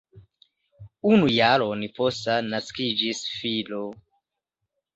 Unu jaron poste naskiĝis filo.